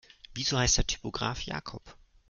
Wieso heißt der Typograf Jakob?